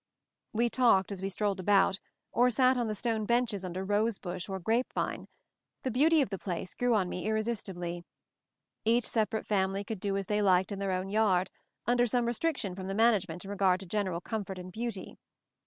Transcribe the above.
We talked as we strolled about, or sat on the stone benches under rose bush or grape vine. The beauty of the place grew on me irresistibly. Each separate family could do as they liked in their own yard, under some restriction from the management in regard to general comfort and beauty.